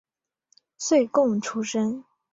岁贡出身。